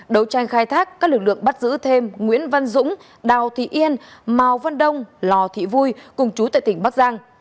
đấu tranh khai thác các lực lượng bắt giữ thêm nguyễn văn dũng đào thị yên màu văn đông lò thị vui cùng chú tại tỉnh bắc giang